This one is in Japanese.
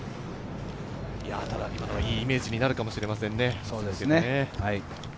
今のはいいイメージになるかもしれませんね。